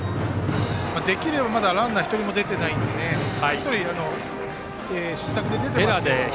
できれば、まだランナーが１人も出てないので１人、失策で出ていますが。